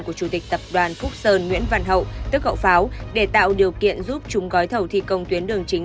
của chủ tịch tập đoàn phúc sơn nguyễn văn hậu tức hậu pháo để tạo điều kiện giúp chúng gói thầu thi công tuyến đường chính